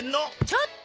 ちょっと！